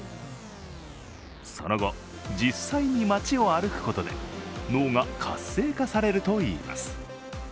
その後、実際に街を歩くことで脳が活性化されるといいます。